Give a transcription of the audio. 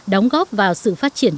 đóng góp vào sự phát triển